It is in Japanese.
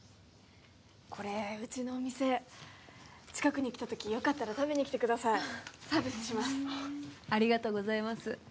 これうちのお店近くに来た時よかったら食べに来てくださいサービスしますありがとうございます